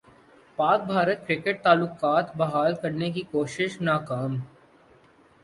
پاک بھارت کرکٹ تعلقات بحال کرنے کی کوشش ناکام